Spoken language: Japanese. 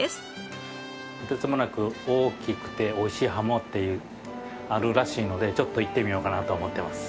とてつもなく大きくておいしいハモっていうあるらしいのでちょっと行ってみようかなと思ってます。